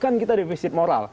bahkan kita defisit moral